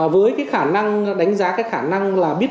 với cái khả năng đánh giá cái khả năng là biết